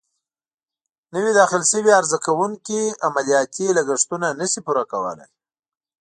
نوي داخل شوي عرضه کوونکې عملیاتي لګښتونه نه شي پوره کولای.